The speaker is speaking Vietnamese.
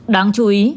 đáng chú ý